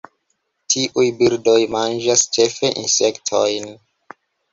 Tiuj birdoj manĝas ĉefe insektojn.